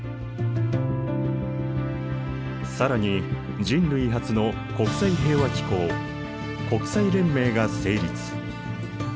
更に人類初の国際平和機構国際連盟が成立。